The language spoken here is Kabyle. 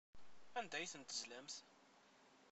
Anda ay ten-tezlamt?